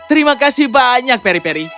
terima kasih banyak peri peri